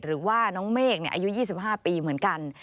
หรือว่าน้องเมฆอายุ๒๕ปีเหมือนกัน